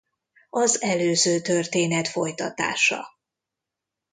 Az előző történet folytatása.